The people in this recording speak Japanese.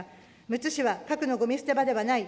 むつ市は核のごみ捨て場ではない。